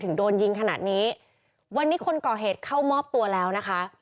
โดนยิงขนาดนี้วันนี้คนก่อเหตุเข้ามอบตัวแล้วนะคะ